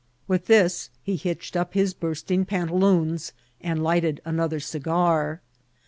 With this he hitched up his bursting pantaloons, and lighted another cigar.